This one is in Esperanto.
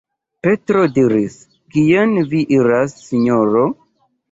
Petro diris: "Kien vi iras, Sinjoro?